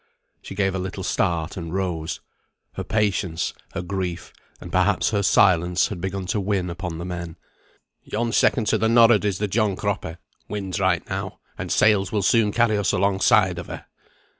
She gave a little start, and rose. Her patience, her grief, and perhaps her silence, had begun to win upon the men. "Yon second to the norrard is the John Cropper. Wind's right now, and sails will soon carry us alongside of her."